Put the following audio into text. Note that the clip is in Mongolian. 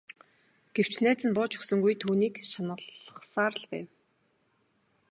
Гэвч найз нь бууж өгсөнгүй түүнийг шаналгасаар л байв.